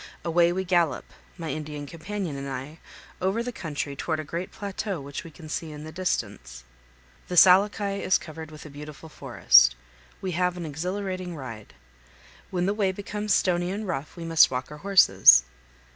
Away we gallop, my Indian companion and I, over the country toward a great plateau which we can see in the distance. The Salahkai is covered with a beautiful forest. We have an exhilarating ride. When the way becomes stony and rough we must walk our horses.